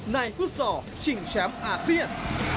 ในฟุตซอลชิงช้ำอาเซียน